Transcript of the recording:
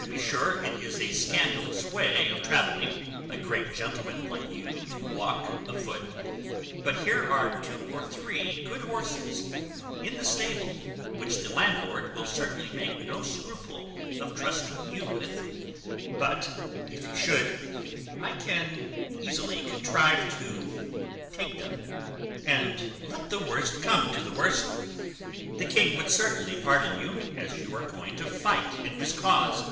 To be sure, it is a scandalous way of travelling, for a great gentleman like you to walk afoot. Now here are two or three good horses in the stable, which the landlord will certainly make no scruple of trusting you with; but, if he should, I can easily contrive to take them; and, let the worst come to the worst, the king would certainly pardon you, as you are going to fight in his cause."